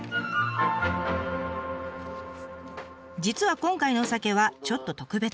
実は今回のお酒はちょっと特別。